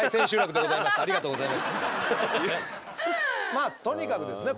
まあとにかくですね